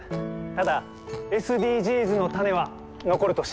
ただＳＤＧｓの種は残ると信じてます。